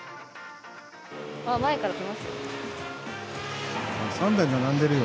前から来ますよ。